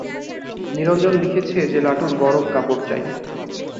নিরঞ্জন লিখছে যে লাটুর গরম কাপড় চাই।